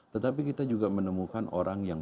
tetapi kita juga menemukan orang yang